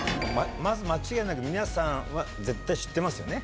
まず間違いなく、皆さんは絶対知ってますよね。